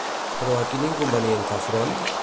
Però a quin inconvenient fa front?